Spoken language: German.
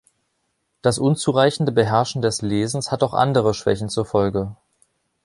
Das unzureichende Beherrschen des Lesens hat auch andere Schwächen zur Folge.